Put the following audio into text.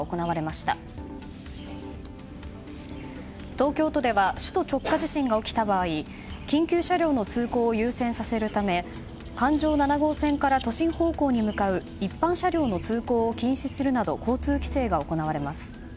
東京都では首都直下地震が起きた場合緊急車両の通行を優先させるため環状７号線から都心方向に向かう一般車両の通行を禁止するなど交通規制が行われます。